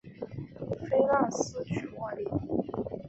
菲腊斯娶茱莉。